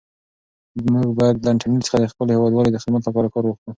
موږ باید له انټرنیټ څخه د خپلو هیوادوالو د خدمت لپاره کار واخلو.